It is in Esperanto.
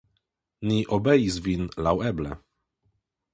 Ni obeis vin laŭeble.